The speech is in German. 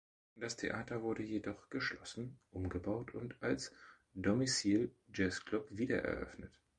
Das Theater wurde jedoch geschlossen, umgebaut und als domicil-Jazzclub wiedereröffnet.